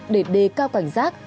để đề cao cảnh giác